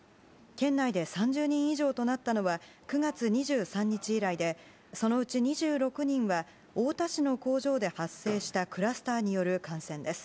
県内で３０人以上となったのは９月２３日以来でそのうち２６人は太田市の工場で発生したクラスターによる感染です。